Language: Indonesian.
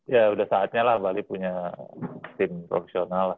ya udah saatnya lah bali punya tim profesional